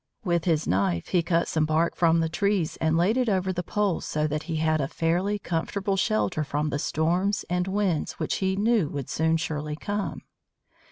With his knife he cut some bark from the trees and laid it over the poles so that he had a fairly comfortable shelter from the storms and winds which he knew would soon surely come.